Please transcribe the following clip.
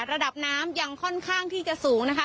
ระดับน้ำยังค่อนข้างที่จะสูงนะคะ